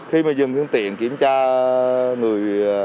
khi mà dừng phương tiện kiểm tra người